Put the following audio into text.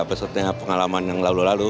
besarnya pengalaman yang lalu lalu